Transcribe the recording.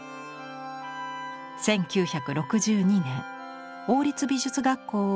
１９６２年王立美術学校を主席で卒業。